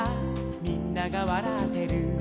「みんながわらってる」